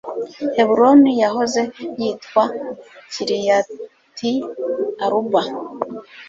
heburoni yahoze yitwa kiriyati-aruba